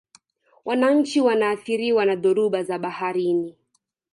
wananchi wanaathiriwa na dhoruba za baharini